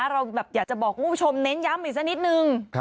เราอยากจะบอกคุณผู้ชมเน้นย้ำอีกสักนิดนึง